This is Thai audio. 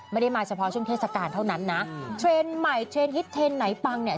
ไม่ได้มาเฉพาะช่วงเทศกาลเท่านั้นนะเทรนด์ใหม่เทรนดฮิตเทรนด์ไหนปังเนี่ย